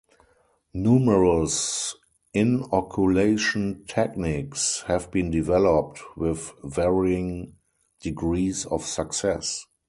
Numerous inoculation techniques have been developed, with varying degrees of success.